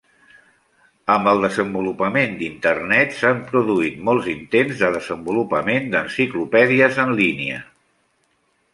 Amb el desenvolupament d'Internet s'han produït molts intents de desenvolupament d'enciclopèdies en línia.